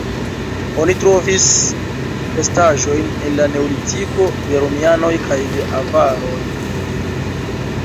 Oni trovis restaĵojn el la neolitiko, de romianoj kaj de avaroj.